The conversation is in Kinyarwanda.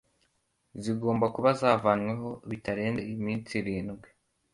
zigomba kuba zavanyweho bitarenze iminsi irindwi